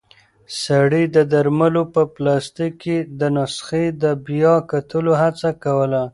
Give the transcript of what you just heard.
سړی د درملو په پلاستیک کې د نسخې د بیا کتلو هڅه کوله.